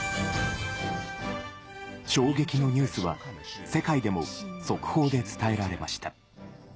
衝撃のニュースは、世界でも速報で伝えられました。